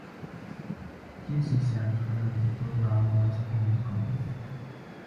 T-Systems hired the programmers from the company.